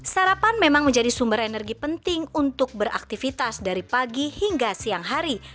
sarapan memang menjadi sumber energi penting untuk beraktivitas dari pagi hingga siang hari